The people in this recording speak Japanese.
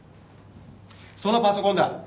そのパソコンだ。